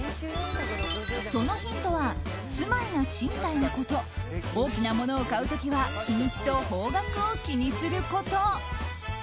そのヒントは住まいが賃貸なこと大きなものを買う時は日にちと方角を気にすること。